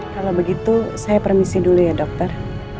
kalau begitu saya permisi dulu ya dokter